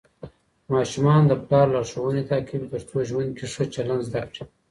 ماشومان د پلار لارښوونې تعقیبوي ترڅو ژوند کې ښه چلند زده کړي.